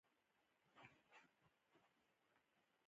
آیا غنم د کاناډا سره زر نه بلل کیږي؟